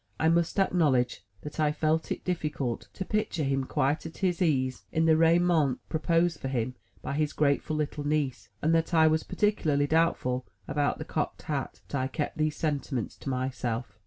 I must acknowledge that I felt it difficult to picture him quite at his ease in the raiment proposed for him by his grateful little niece, and that I was particularly doubtful about the cocked hat; but I kept these sentiments to myself.